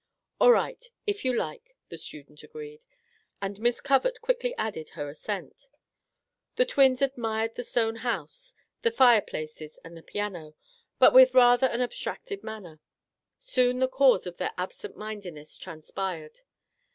" All right, if you like^ the student agreed, and Miss Covert quickly added her assent. The twins admired the stone house, the fire places, and the piano, but with rather an ab stracted manner. Soon the cause of their absent mindedness transpired.